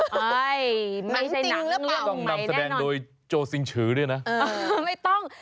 หนังจริงหรือเปล่าต้องนำแสดงโดยโจ้สิงฉือด้วยนะไม่ต้อง